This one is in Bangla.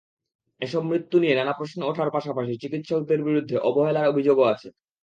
এসব মৃত্যু নিয়ে নানা প্রশ্ন ওঠার পাশাপাশি চিকিৎসকদের বিরুদ্ধে অবহেলার অভিযোগও আছে।